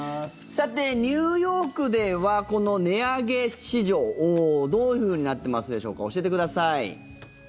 さて、ニューヨークではこの値上げ市場どういうふうになっていますでしょうか教えてください。